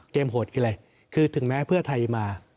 เกมโหดก็เลยคือถึงแม้เพื่อไทยมา